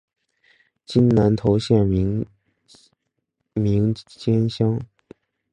今南投县名间乡。